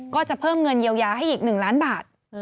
ก็จะเพิ่มเงินเยียวยาให้อีก๑ล้านบาท